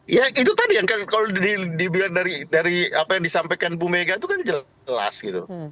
ya itu tadi yang kalau dibilang dari apa yang disampaikan bu mega itu kan jelas gitu